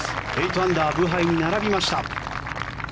８アンダーでブハイに並びました。